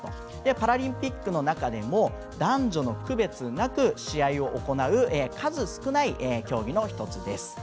パラリンピックの中でも男女の区別なく試合を行う数少ない競技の１つです。